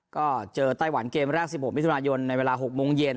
ก็เจอไต้หวันเกมแรก๑๖มิถุนายนในเวลา๖โมงเย็น